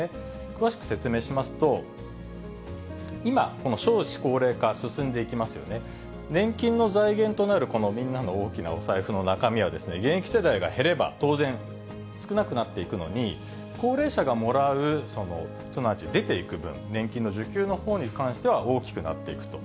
詳しく説明しますと、今、この少子高齢化進んでいきますよね、年金の財源となるこのみんなの大きなお財布の中身は、現役世代が減れば、当然、少なくなっていくのに、高齢者がもらう、すなわち、出ていく分、年金の受給のほうに関しては大きくなっていくと。